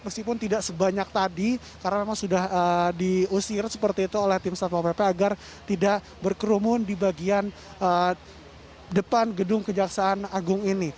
meskipun tidak sebanyak tadi karena memang sudah diusir seperti itu oleh tim satwa pp agar tidak berkerumun di bagian depan gedung kejaksaan agung ini